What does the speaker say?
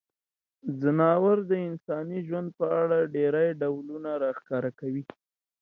ځناور د انساني ژوند په اړه ډیری ډولونه راښکاره کوي.